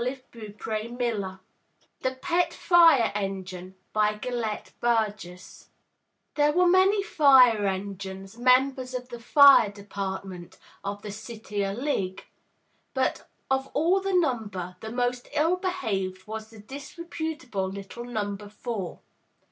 63 BOOK H O U THE PERT FIRE ENGINE* Gelett Burgess There were many fire engines, members of the Fire Depart ment of the City oXigg, but of all the number, the most ill behaved was the disreputable little Number Four.